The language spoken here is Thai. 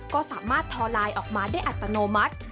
ก็สามารถทอไลน์ออกมาได้อัตโนมัติ